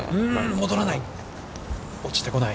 戻らない。